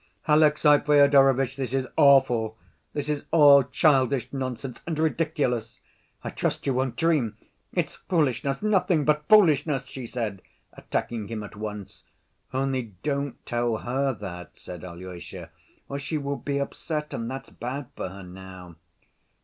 "Alexey Fyodorovitch, this is awful. This is all childish nonsense and ridiculous. I trust you won't dream—It's foolishness, nothing but foolishness!" she said, attacking him at once. "Only don't tell her that," said Alyosha, "or she will be upset, and that's bad for her now."